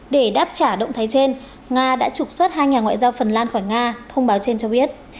để đáp trả động thái trên nga đã trục xuất hai nhà ngoại giao phần lan khỏi nga thông báo trên cho biết